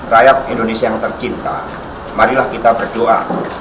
rakyat indonesia yang tercinta marilah kita berdoa